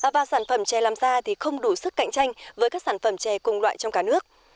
và sản phẩm chè làm ra thì không đủ sức cạnh tranh với các sản phẩm chè cùng loại trong cả nước